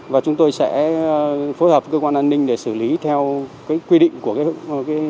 và chúng tôi sẽ phối hợp cơ quan an ninh để xử lý theo quy định của hệ thống